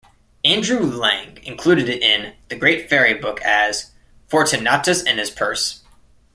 Andrew Lang included it in "The Grey Fairy Book" as "Fortunatus and his Purse".